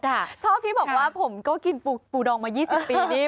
ชอบที่บอกว่าผมก็กินปูดองมา๒๐ปีนี่